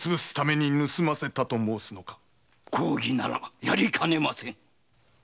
公儀ならやりかねませぬ。